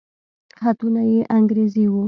خطونه يې انګريزي وو.